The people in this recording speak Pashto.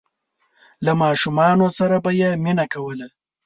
له ماشومانو سره به یې مینه کوله.